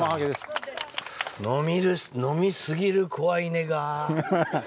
飲みすぎる子はいねが。